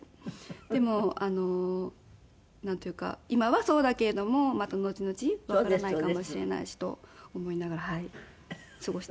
でもなんというか今はそうだけれどもまたのちのちわからないかもしれないしと思いながら過ごしてます。